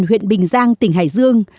huyện bình giang tỉnh hải dương